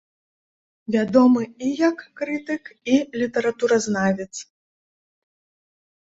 Вядомы і як крытык і літаратуразнавец.